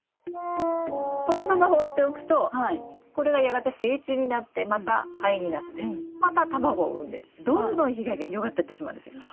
このままほっておくとこれがやがて成虫になってまたハエになってまた卵を産んでどんどん被害が広がってってしまうんですよ。